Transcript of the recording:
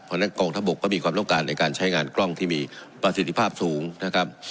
เพราะฉะนั้นกองทัพบกก็มีความต้องการในการใช้งานกล้องที่มีประสิทธิภาพสูงนะครับ